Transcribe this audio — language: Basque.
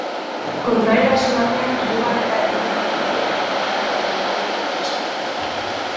Kontraerasoa batean hirugarrena egin zuen ere argentinarrak errebote bati esker.